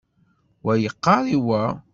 Wa yeqqaṛ i wa.